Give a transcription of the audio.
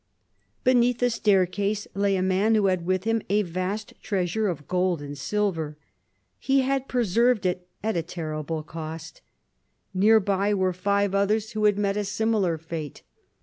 Beneath a staircase lay a man who had with him a vast treasure of gold and silver. He had preserved it at a terrible cost. Near by were five others who had met a similar fate.